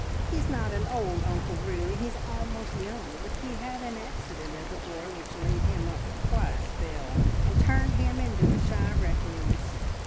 He's not an old uncle really: he's almost young, but he had an accident as a boy which laid him up for quite a spell, and turned him into a shy recluse.